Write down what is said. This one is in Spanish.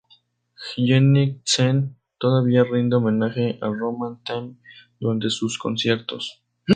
Jenny Tseng, todavía rinde homenaje a Roman Tam durante sus conciertos.